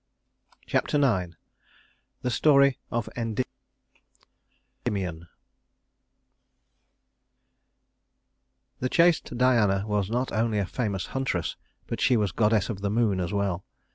Chapter IX The Story of Endymion The chaste Diana was not only a famous huntress, but she was goddess of the moon as well.